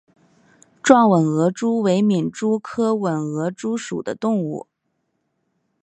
壮吻额蛛为皿蛛科吻额蛛属的动物。